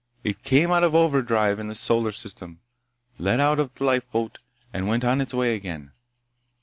It came out of overdrive in this solar system, let out the lifeboat, and went on its way again.